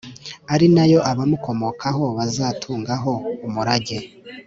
ari na yo abamukomokaho bazatungaho umurage;